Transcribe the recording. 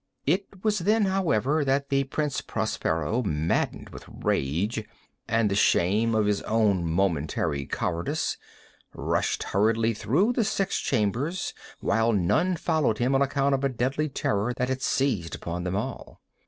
It was then, however, that the Prince Prospero, maddening with rage and the shame of his own momentary cowardice, rushed hurriedly through the six chambers, while none followed him on account of a deadly terror that had seized upon all.